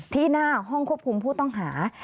ที่หน้าห้องควบคุมผู้ต้องหา